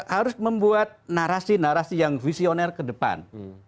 harus membuat narasi narasi yang visioner ke depan